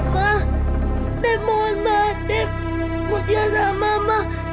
ma dev mohon ma dev mau jahat sama mama